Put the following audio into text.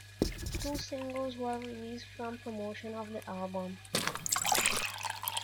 Two singles were released for promotion of the album.